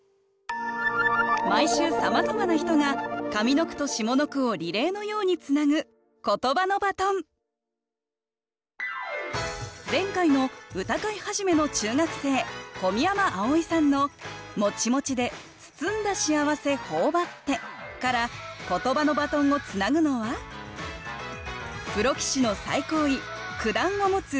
毎週さまざまな人が上の句と下の句をリレーのようにつなぐ前回の歌会始の中学生小宮山碧生さんの「もちもちでつつんだ幸せほおばって」からことばのバトンをつなぐのはプロ棋士の最高位九段を持つ先崎学さん。